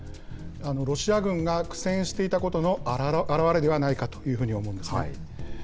ロシア軍が苦戦していたことの表れではないかというふうに思うんですね。